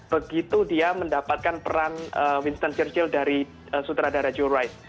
begitu dia mendapatkan peran winston churchill dari sutradara joe rice